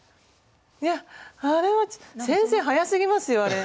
やあれは先生速すぎますよあれ。